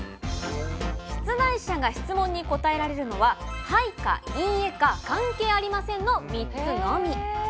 出題者が質問に答えられるのは、はいかいいえか、関係ありませんの３つのみ。